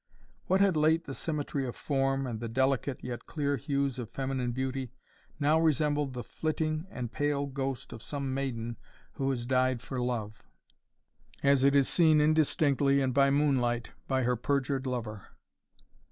What had late the symmetry of form, and the delicate, yet clear hues of feminine beauty, now resembled the flitting and pale ghost of some maiden who has died for love, as it is seen indistinctly and by moonlight, by her perjured lover.